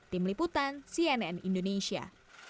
tim liputan cnn indonesia